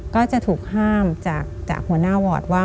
ก็จะถูกห้ามจากหัวหน้าวอร์ดว่า